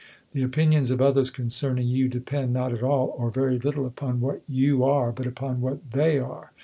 The opinions of others concerning you depend, not at all, or very little, upon what you are, but upon what they are.